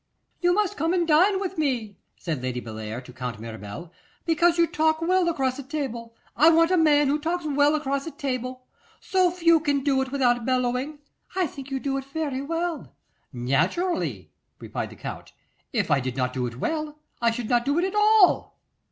'You must come and dine with me,' said Lady Bellair to Count Mirabel, 'because you talk well across a table. I want a man who talks well across a table. So few can do it without bellowing. I think you do it very well.' 'Naturally,' replied the Count. 'If I did not do it well, I should not do it at all.